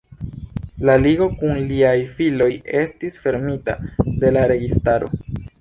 La Ligo kun liaj filoj estis fermita de la registaro.